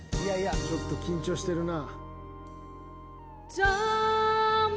ちょっと緊張してるな。